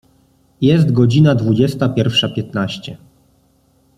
Jest godzina dwudziesta pierwsza piętnaście.